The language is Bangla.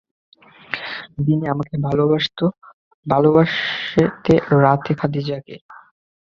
দিনে আমাকে ভালবাসতে রাতে খাদিজাকে।